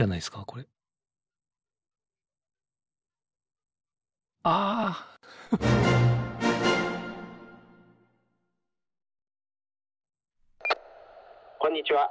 これあこんにちは